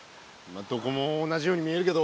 どこも同じように見えるけど。